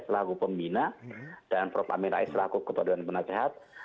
selaku pembina dan prof amin rais selaku ketua dewan penasehat